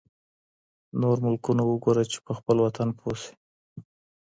نور ملکونه وګوره چي په خپل وطن پوه شې.